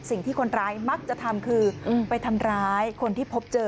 สิ่งที่คนร้ายมักจะทำคือไปทำร้ายคนที่พบเจอ